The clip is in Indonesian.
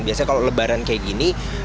biasanya kalau lebaran kayak gini